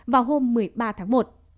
vào hôm một mươi ba tháng một